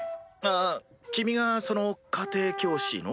あ君がその家庭教師の？